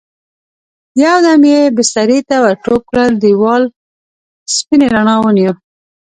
يو دم يې بسترې ته ور ټوپ کړل، دېوال سپينې رڼا ونيو.